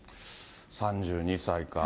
３２歳か。